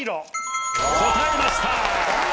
答えました。